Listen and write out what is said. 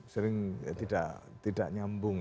sering tidak nyambung